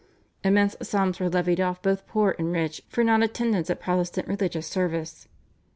Immense sums were levied off both poor and rich for non attendance at Protestant religious service.